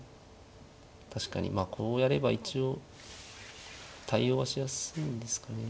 確かにまあこうやれば一応対応はしやすいんですかね。